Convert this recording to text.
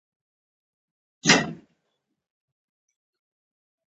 هیواد مې د سر سترګې دي